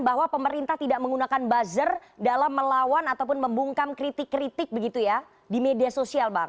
bahwa pemerintah tidak menggunakan bazar dalam melawan atau membungkam kritik kritik di media sosial